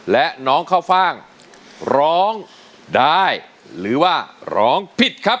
และน้องข้าวฟ่างร้องได้หรือว่าร้องผิดครับ